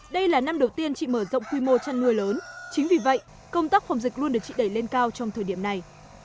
đây là năm đầu tiên chị mở rộng quy mô chăn nuôi lớn chính vì vậy công tác phòng dịch luôn được chị đẩy lên cao trong thời điểm này